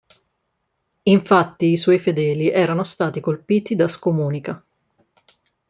Infatti i suoi fedeli erano stati colpiti da scomunica.